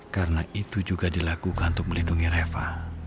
karena itu juga dilakukan untuk melindungi reva